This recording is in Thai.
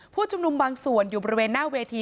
ผู้ชุมนุมบางส่วนอยู่บริเวณหน้าเวที